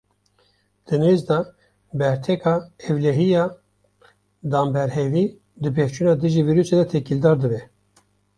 Di nêz de berteka ewlehiya danberhevî di pevçûna dijî vîrûsê de têkildar dibe.